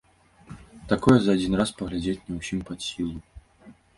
Такое за адзін раз паглядзець не ўсім пад сілу.